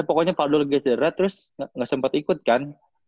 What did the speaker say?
pokoknya valdo lagi cenderara terus ga sempet ikut kan